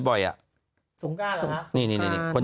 สงการเหรอครับ